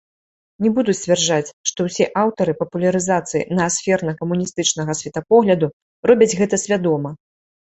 Не буду сцвярджаць, што ўсе аўтары папулярызацыі наасферна-камуністычнага светапогляду робяць гэта свядома.